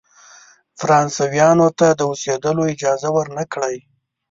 فرانسویانو ته د اوسېدلو اجازه ورنه کړی.